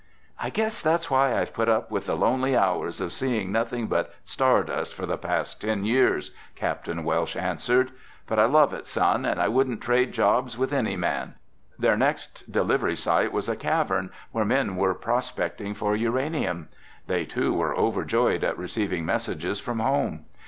"I guess that's why I've put up with the lonely hours of seeing nothing but stardust for the past ten years," Capt. Welsh answered. "But I love it, Son, and I wouldn't trade jobs with any man." Their next delivery site was a cavern where men were prospecting for uranium. They too were overjoyed at receiving messages from home.